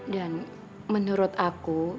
dan menurut aku